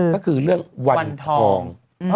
ก็คือเรื่องวันทอง